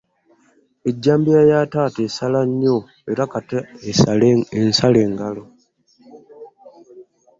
Ejjambiya ya taata esala nnyo era kata ensale engalo!